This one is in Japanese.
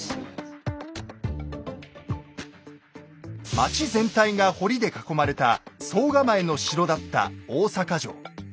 町全体が堀で囲まれた惣構えの城だった大坂城。